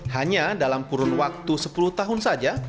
hanya dalam kurun waktu sepuluh tahun saja